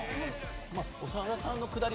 長田さんのくだり